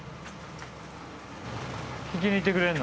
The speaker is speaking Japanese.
聞きに行ってくれんの？